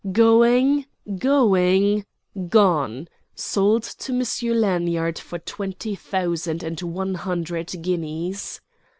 "Going—going—gone! Sold to Monsieur Lanyard for twenty thousand and one hundred guineas!"